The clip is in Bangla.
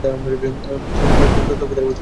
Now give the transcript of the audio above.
তবে তার আর কোনও বিশদ বিবরণ নেই।